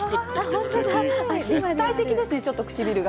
立体的ですね、ちょっと唇が。